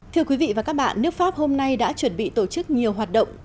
thưa quý vị và các bạn nước pháp hôm nay đã chuẩn bị tổ chức nhiều hoạt động